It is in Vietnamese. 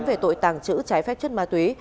về tội tàng trữ trái phép chất ma túy